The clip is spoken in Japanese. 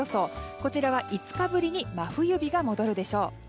こちらは５日ぶりに真冬日が戻るでしょう。